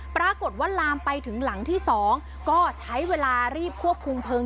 ปรากฏว่าลามไปถึงหลังที่๒ก็ใช้เวลารีบควบคุมเพลิง